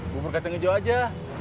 gue pakai tangan hijau aja